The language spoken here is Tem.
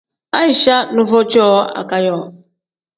Aicha nuvo cooo agaayo.